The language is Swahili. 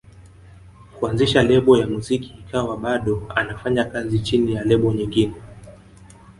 kuanzisha lebo ya muziki ikiwa bado anafanya kazi chini ya lebo nyingine